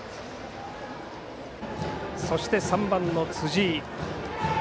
そして３番の辻井。